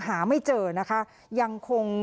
หาไม่เจอนะคะยังคง